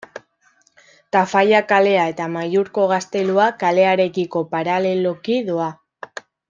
Tafalla kalea eta Amaiurko Gaztelua kalearekiko paraleloki doa.